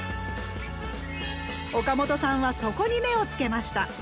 岡元さんはそこに目をつけました。